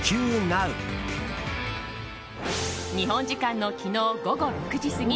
日本時間の昨日午後６時過ぎ